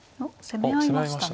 攻め合いました。